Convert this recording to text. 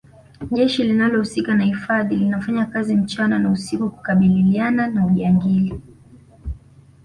jeshi linalohusika na hifadhi linafanya kazi mchana na usiku kukabililiana na ujangili